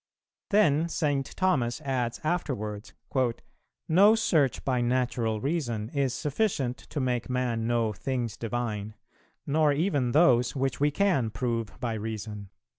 . "Then St. Thomas adds afterwards: 'No search by natural Reason is sufficient to make man know things divine, nor even those which we can prove by Reason.'